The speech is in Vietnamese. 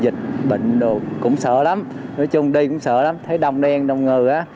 dịch bệnh đột cũng sợ lắm nói chung đi cũng sợ lắm thấy đông đen đông ngừ á